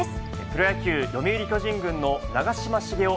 プロ野球・読売巨人軍の長嶋茂雄